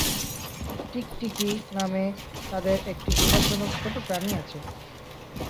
টিকটিকি নামে তাদের একটি বিপজ্জনক ছোট প্রাণী আছে।